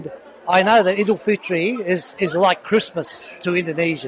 dan saya tahu bahwa idul fitri seperti krismas untuk orang indonesia